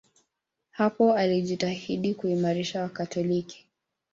Hapo alijitahidi kuimarisha Wakatoliki.